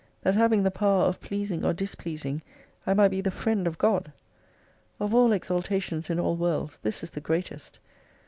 That having the power of pleasing or displeasing, I might be the friend of God ! Of all exaltations in all worlds this is the greatest.